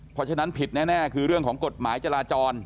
เพราะฉะนั้นผิดแน่คือเรื่องของกฎหมายจราจร